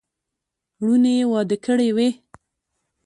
لوڼي یې واده کړې وې.